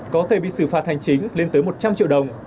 có thể bị xử phạt hành chính lên tới một trăm linh triệu đồng